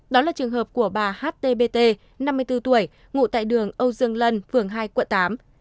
đó là trường hợp của bà htbt năm mươi bốn tuổi ngụ tại đường âu dương lân phường hai quận tám